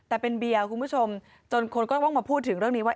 แต่เป็นเบียร์คุณผู้ชมจนคนก็ต้องมาพูดถึงเรื่องนี้ว่า